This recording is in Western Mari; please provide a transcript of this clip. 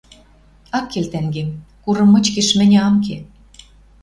Ак кел, тӓнгем: курым мычкеш мӹньӹ ам ке